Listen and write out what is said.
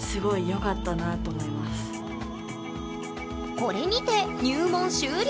これにて入門終了。